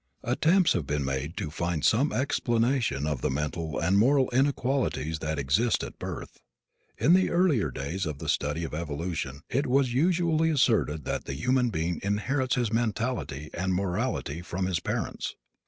Attempts have been made to find some explanation of the mental and moral inequalities that exist at birth. In the earlier days of the study of evolution it was usually asserted that the human being inherits his mentality and morality from his parents.